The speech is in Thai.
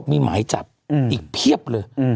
มีหมายจับอีกเพียบเลย